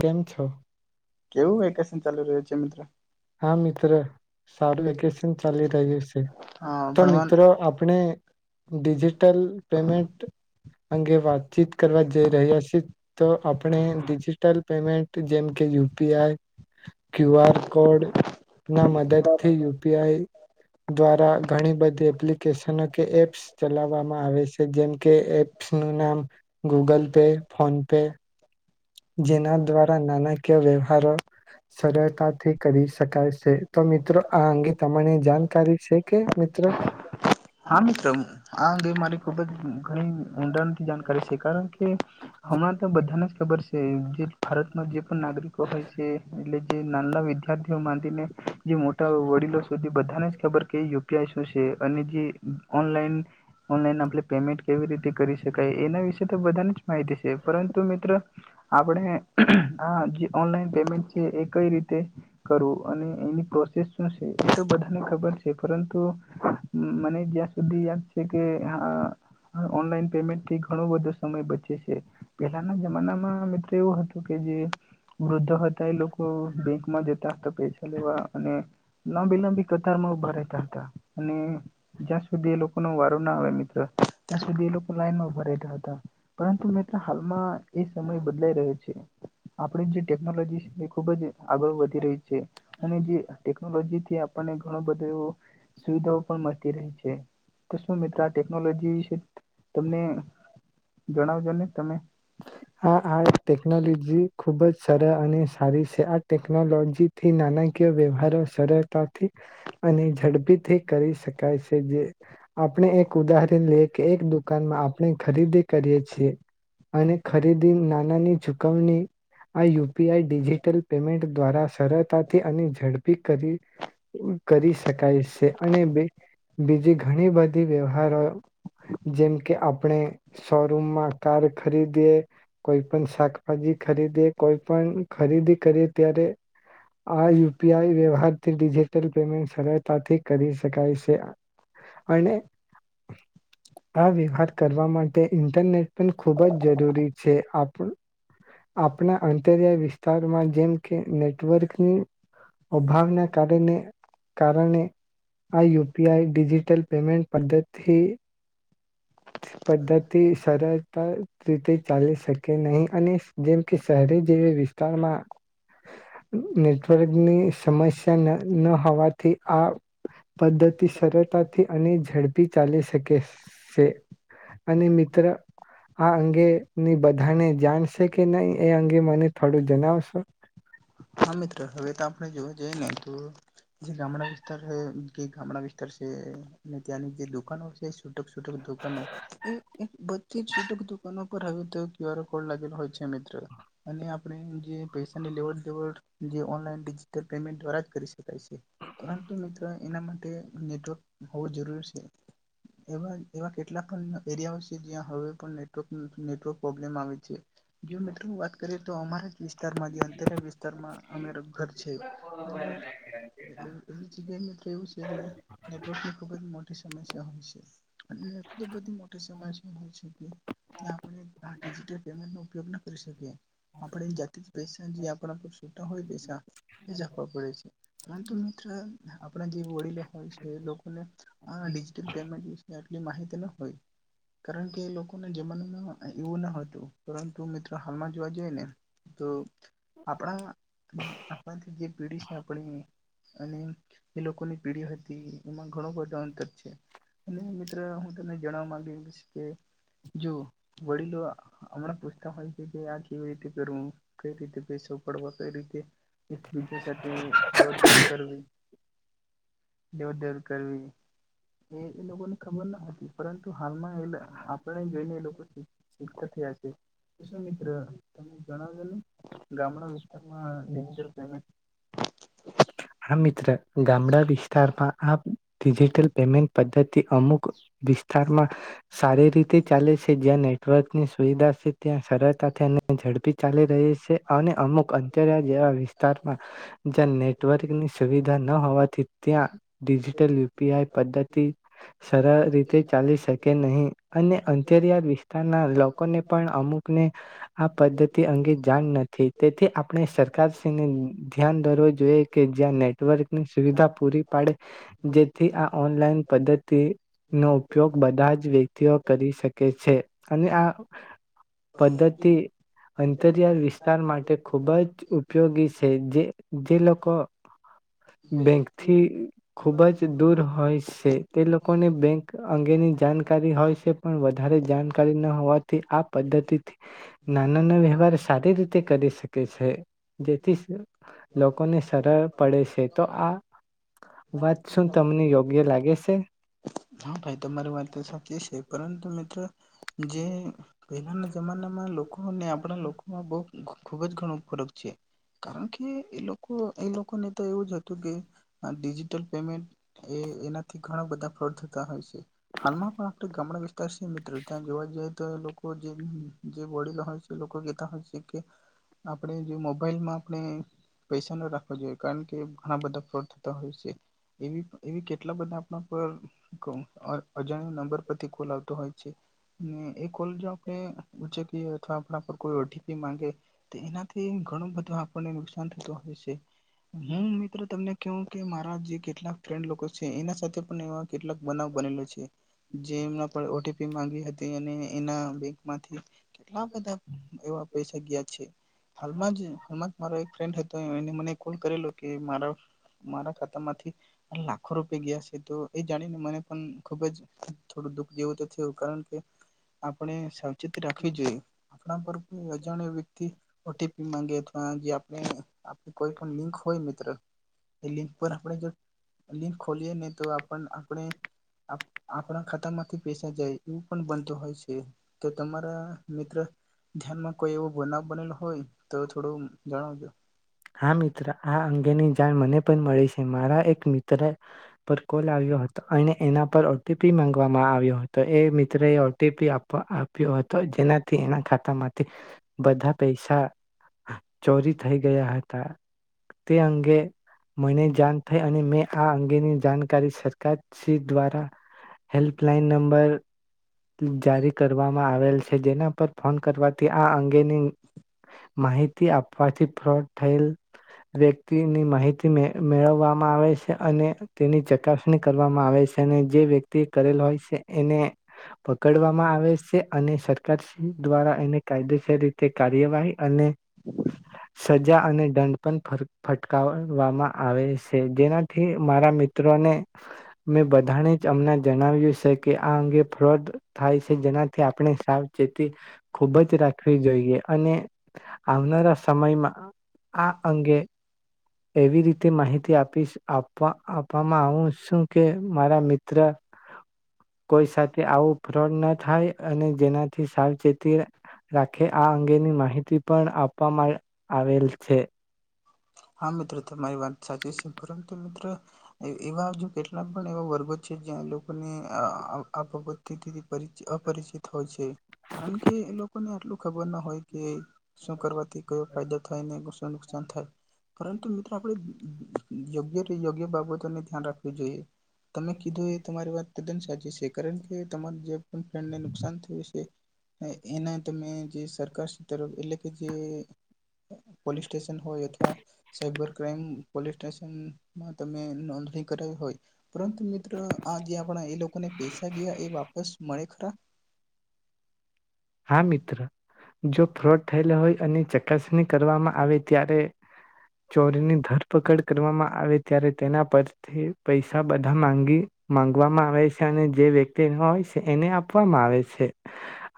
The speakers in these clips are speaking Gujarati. કેમ છો? કેવું વેકેશન ચાલુ રહ્યું છે મિત્ર હા મિત્રો સારું વેકેશન ચાલી રહ્યું છે, હા તો ભણવાન મિત્રો આપણે ડિજિટલ પેમેન્ટ. અંગે વાતચીત કરવા જઈ રહ્યા છે, તો આપણે ડિજિટલ પેમેન્ટ જેમ કે યુ. પીઆઈ ક્યુઆર કોડ ના મદદ થી યુપીઆઈ દ્વારા ઘણી બધી એપ્લિકેશનો કે એપ્સ ચલાવવામાં આવે છે જેમ કે એપ્સ નું નામ ગૂગલ પે ફોન પે જેના દ્વારા નાના કે વ્યવહારો સરળતાથી કરી શકાય છે. તો મિત્રો આ અંગે તમને જાણકારી છે કે? મિત્રો હા, મિત્ર આ અંગે મારી ખુબ જ ઘણી ઊંડાણથી જાણકારી છે. કારણ કે હમણાં તો બધાને જ ખબર છે. જે ભારતમાં જે પણ નાગરિકો હોય છે. એટલે જે નાના વિદ્યાર્થીઓ માંંધને જે મોટા વડીલો સુધી બધાને જ ખબર કે યુપીઆઈ શું છે અને જે ઓનલાઈન, ઓનલાઈન આપણે પેમેન્ટ કેવી રીતે કરી શકાય એના વિશે તો બધાનેજ માહિતી છે. પરંતુ મિત્ર આપણે આ ઓનલાઈન પેમેન્ટ કે એ કઈ રીતે? કરું અને એની પ્રોસેસ શું છે એ તો બધાને ખબર છે. પરંતુ હમ મને સુધી યાદ છે કે હ ઓનલાઈન પેમેન્ટ થી ઘણો બધો સમય બચે છે. પેલાના જમાનામાં મિત્રો એવું હતું કે, જે વૃદ્ધો હતા એ લોકો બેંકમાં જતા હતા પૈસા લેવા અને લાંબી-લાંબી કતારમાં ઉભા રહેતા હતા. અને જ્યાં સુધી એ લોકો ન વારો ના આવે મિત્ર ત્યાં સુધી એ લોકો લાઈનમાં ઉભા્યા હતા પરંતુ મિત્ર હાલમાં એ સમય બદલાઈ રહ્યો છે આપણે જે ટેકનોલોજી ખુબ જ આગળ વધી રહી છે. અને જે ટેકનોલોજી થી આપણને ઘણો બધો એવો શી તો રહી છે. તો શું મિત્ર આ ટેકનોલોજી વિશે તમને જણાવજો ને તમે. હા હા એક ટેકનોલોજી ખુબ જ સરળ અને સારી છે. આ ટેકનોલોજી થી નાના કિય વ્યવહારો સરળતાથી અને ઝડપીથી કરી શકાય છે. જે આપણે એક ઉદાહરણ લઈએ કે, એક દુકાનમાં આપણે ખરીદી કરીએ છીએ અને ખરીદી નાનાની ચૂકવણી આ યુપીઆઈ ડિજિટલ પેમેન્ટ દ્વારા સરળતાથી અને ઝડપી કરી કરી શકાય છે. અને બે બીજી ઘણી બધી વ્યવહારો જેમ કે, આપણે શોરૂમમાં કાર ખરીદીએ કોઈ પણ શાકભાજી ખરીદે, કોઈ પણ ખરીદી કરીએ ત્યારે આ યુપીઆઈ વ્યવહારથી ડિજિટલ પેમેન્ટ સરળતાથી કરી શકાય છે. અને આ વ્યવહાર કરવા માટે ઇન્ટરનેટ પણ ખુબ જ જરૂરી છે આપણા અંતરિયાળ વિસ્તારમાં જેમ કે નેટવર્કની અભાવના કારણે કારણે આ યુપીઆઈ ડિજિટલ પેમેન્ટ પદ્ધતિ પદ્ધતિ સરળતા રીતે ચાલી શકે નહી અને જેમ કે શહેરી જેવી વિસ્તારમાં નેટવર્કની સમસ્યા ન ન હોવાથી આ પદ્ધતિ સરળતાથી અને ઝડપી ચાલી શકે છે અને મિત્ર આ અંગે ની બધાને જાણશે કે નહીં એ અંગે મને થોડું જણાવશો હા મિત્રો હવે તો આપણે જોવા જઈએ ને તો જે ગામડા વિસ્તાર જે ગામડા વિસ્તાર છે હમ અને ત્યાંની જે દુકાનો છે શું છૂટક છૂટક દુકાનો એ બધી છૂટક દુકાનો તે કવર કોડ લાગેલય છે અમિત્ર અને આપડણે જે પૈસા ની લેવડ દેવડ જે ઓનલાઈન ડિજટલ પેમેન્ટ દ્વારા જ કરી શકાય છે પરંતુ મિત્રો એના માટે નેટવર્ક હોવું જરૂરી છે એવા એવા કેટલા પણ એરિયાઓ છે જ્યાં હવે પણ નેટવક નેટવર્ક પ્રોબ્લેમ આવે છે જ મિત્રો ની વાત કરીએ તો અમારા વિસ્તારમાં જે અંતર વિ આમાં અમારૂ ઘર છે નેટવર્ક ખુબ જ મોટી સમ સમસ્યા અને એટલી બધી મોટી સમસ્યા હોય છે કે ત્યાં આપણેિજટલ પેમેન્ટ ન ઉપયોગ ન કરી શકીએ આપણે જાતિ પેશા જફ પે છે કારણ કે મિત્ર આપણા જીવ ઓળ લો હોય છે લોકોને આ ડિજિટલ પેમેન્ટ આટલી માહિતી ન હોય કારણ કે એ લોકોના જમાનામાં એવું ન હતું તું મિત્રો હાલમાં જોવા જઈ ને તો આપણા આપણાથી જે પેઢી છે આપણી અને એ લોકોની પીઢી હતી એમાં ઘણો બધો અંતર છે અને મિત્ર તને જણાવા માંગુ કે જો વડીલો હમણાં પૂછતા હોય છે કે આ કેવી રીતે કરવું કઈ રીતે તો ઉપાડવા કઈ રીતે? એક બીજા સાથે દોડ-દોડ કરવી. દોડ-દોડ કરવી એ એ લોકોને ખબર ના હોય. એ પરંતુ હાલમાં એલે આ પણ જોઈને એ લોકો થી એકજ છે તે મિત્ર તમેને જાણાવેલુ. [unintelligible] હા મિત્ર ગામડા વિસ્તારમાં આ ડિજિટલ પેમેન્ટ પદ્ધતિથી અમુક [inaudible] વિસ્તારમાં સારી આવે રીતે ચાલે છે. જ્યાં નેટવર્કની સુવિધા છે ત્યાં સરળતાથી ઝડપી ચાલી રહી છે અને અમુક અંતરા છે? જેવા વિસ્તારમાં જ લોકોને સરળ નેટવર્કની પડે, સુવિધા ન હોવાથી ત્યાં ડિજિટલ યુ પી આઈ પદ્ધતિ સરળ રીતે ચાલી શકે નહીં અને અંતરિયાળ વિસ્તારના લોકોને પણ અમુકને આ પદ્ધતિ અંગે જાણ નથી તેથી આપણે સરકારશ્રીને ધ્યાન દરવું જોઈએ કે જ્યાં નેટવર્કની સુવિધા પૂરી પાડે જેથી આ ઓનલાઈન પદ્ધતિ નો ઉપયોગ બધા જ વ્યક્તિઓ કરી શકે છે. અને આ પદ્ધતિ અંતરિયાળ વિસ્તાર માટે ખુબ જ ઉપયોગી સે જે જે લોકો બેંક થી ખુબ જ દૂર હોય સ તે તે લોકોને બેંક અંગેની જાણકારી હોય છે પણ વધારે જાણકારી ના હોવાથી આ પદ્ધતિથી નાના ના વ્યવહાર સારી રીતે કરી શકે છે. જેથી લોકો સરર પડે છે. તો આ વાત શું તમને યોગ્ય લાગે છે? હા ભાઈ તમારી વાત તો સાચી છે. પરંતુ મે ત્ર જે પહેલાના જમાનામાં લોકોને આપણા લોકોમાં બહ ખુબ જ ઘણો ફરક છે કારણ કે એ લોકો એ લોકોને તો એવું જ હતું કે ડિજિટલ પેમેન્ટ એ એનાથી ઘણા બધા ફરોડ થ [inaudible] હાલમાં આપડા ગામડા વિસ્તાર [inaudible] ત્યાં જોવા જઈએ તો લોકો જે જે વડીલો હોય છે લોકો કેતા હોય છે. આપણે જે મોબાઈલમાં આપણે પૈસા ન રાખવા જોઈએ. કારણ કે ઘણા બધા ફ્રોડ થતા હોય છે એ એવી કેટલા બધા આપણા પર [unintelligible] અજાણ્યા નંબર પરથી કોલ આવતો હોય છે. એક કોલ જો આપણે ઉ્ચકીએ અથવા આપ પર કોઈ ઓ ટી પી માંગે તો એનાથી ઘણું બધું આ [unintelligible] હોય છે હું મિત્ર તમને. કેવ કે મારા જે કેટલાક ફ્રેન્ડ લોકો છે એના સાથે પણ એવા. કેટલાક બનાવ બનેલો છે, જે એમના ઓટીપી માંગી હતી અને એના બેંકમાંથી, કેટલા બધા એવા પૈસા ગયા છે, હાલ મા જ મારો એક ફ્રેન્ડ હતો. એને મને કોલ કરેલો કે મારા મારા ખાતા માંથી, લાખો રૂપિયા ગયા છે તો. એ જાણીને મને પણ ખુબ જ થોડું દુઃખ જેવું તો થયું, કારણ કે આપણે. સા વચેતી રાખવી જોઈએ. આપણા પર કોઈ અજાણ વ્યક્તિ, ઓટીપી માંગે અથવા જે આપણે આપ કોઈ પણ લિંક હોય મિત્રો, એ લિંક પર આપણે જો લિંક ખોલીએ ને તો. પણ આપણે, આપણા ખાતા માંથી પૈસા જાય એવું પણ બનતું હોય છે, તો તમારા મિત્ર ધ્યાનમાં કોઈ એવો બનાવ બનેલો હોય તો થોડું જણાવજો. હા મિત્ર આ અંગેની જાણ મને પણ મળી છે મારા એક મિત્ર, પર કોલ આવ્યો. હતો અને એના પર ઓટીપી માંગવામાં આવ્યો હતો એ મિત્ર એ ઓટીપી આપ આપ્યો હતો જેનાથી એના ખાતામાંથી. બધા પૈસા ચોરી થઈ ગયા હ તા. તે અંગે મને જાણ થઈ અને મેં આ અંગેની જાણકારી સરકાર શ્રી દ્વારા હેલ્પલાઈન નંબર જારી કરવામાં આવેલ છે જેના પર ફોન કરવાથી આ અંગેની, માહિતી આપવાથી ફ્રોડ થયેલ. વ્યક્તિની માહિતી મે મેળવવામાં આવે છે અને તેની ચકાસણી કરવામાં આવે છે અને જે વ્યક્તિ કરેલ હોય છે એને. પકડવામાં આવે છે અને સરકાર શ્રી દ્વારા એને કાયદેસર રીતે કાર્યવાહી અને, સજા અને દંડ પણ. ફટકવામાં આવે છે જેનાથી મારા મિત્રોને, મેં બધાને જ અમને જણાવ્યું છે કે આ અંગે. ફ્રોડ થાય છે જેનાથી આપણે સાવચેતી, ખૂબ જ રાખવી જોઈએ અને આવનારા સમયમાં આ. અંગે એવી રીતે માહિતી આપીશ આપવા આપવામાં આવ છું કે મારા મિત્ર, કોઈ સાથે. તે આવું ફ્રોડ ન થાય અને જેનાથી સાવચેતી રાખે આ અંગેની માહિતી પણ આપવામાં આવેલ છે. હા મિત્ર તમારી વાત સાચી છે પરંતુ મિત્ર. એવા હા જો કેટલા પણ એવા વર્ગો છે જ્યાં એ લોકોને આ બાબત થી થી પરિચી અપરિચિત હોય છે, કારણ કે એ લોકોને આટલું ખબર ના હોય કે શું કરવાથી કયો ફાયદો થાય ને સાન થાય, પરંતુ મિત્રો આપણે યોગ્ય યોગ્ય બાબ તનું ધ્યાન રાખું જોઈએ, તમે કીધું એ તમારી વાત તદ્દન સાચી છે, કારણ કે તમાર જે પણ ફ્રેન્ડ ને નુકસાન થયું છે, એના તમે જે સરકાર તરફ એટલે કે જે પોલીસ સ્ટેશન હોય અથવા, સાયબર ક્રાઈમ પોલીસ સ્ટેશનમાં તમે એ કરાવું હોય, પરંતુ મિત્ર આ જે આપણા એ લોકોને પૈસા ગયા એ વાપસ મળે ખરા? હા મિત્ર, જો ફ્રોડ થયેલો હોય અને ચકાસણી કરવામાં આવે ત્યારે ચોરીની ધરપકડ કરવામાં આવે ત્યારે તેના પરથી પૈસા બધા માંગી માંગવામાં આવે છે અને જે વ્યક્તિ હોય છે એને આપવામાં આવે છે.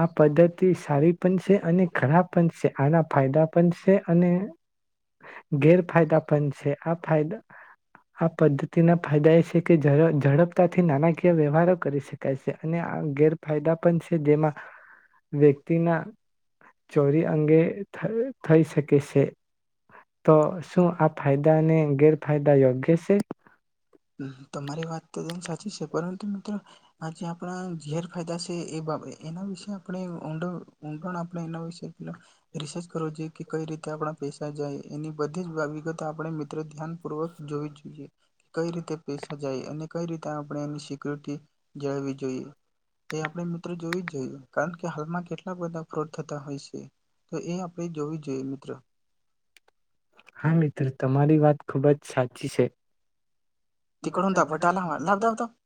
આ પદ્ધતિ સારી પણ છે અને ખરાબ પણ છે આના ફાયદા પણ છે અને ગેરફાયદા પણ છે. આ ફાયદા આ પદ્ધતિના ફાયદા એ છે કે ઝડ ઝડપતાથી નાણાકીય વ્યવહારો કરી શકાય છે અને આ ગેરફાયદા પણ છે જેમાં વ્યક્તિ ના ચોરી અંગે થઈ શકે છે. તો શું આ ફાયદાને ગેરફાયદા યોગ્ય સે? ચી છે પરંતુ મિત્રો આજે આપણા ગેરફાયદા છે એ એના વિશે આપણે ઊંડો [unintelligible] આપણે એના વિશે રિસર્ચ કરવો જોઈયે કે કઈ રીતે આપણા પૈસા જાય, એની બધી જ વ વિગતો આપણે મિત્રો ધ્યાન પૂર્વક જોવી જ જોઈએ. કઈ રીતે પૈસા જાય અને કઈ રીતે આપણે એની સિક્યોરિટી જાળવવી જોઈએ એ આપણે મિત્રો જોવી જ જોઈએ. કારણ કે હાલમાં કેટલા બધા ફ્રોડ થતા હોય છે. તો એ આપણે જોવી જ જોઈએ. હા મિત્ર, તમારી વાત ખૂબ જ સાચ્ચી છે. [unintelligible]